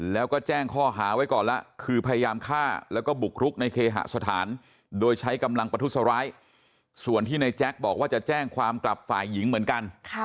แล้วก็แจ้งข้อหาไว้ก่อนแล้วคือพยายามฆ่าแล้วก็บุกรุกในเคหสถานโดยใช้กำลังประทุษร้ายส่วนที่ในแจ๊กบอกว่าจะแจ้งความกลับฝ่ายหญิงเหมือนกัน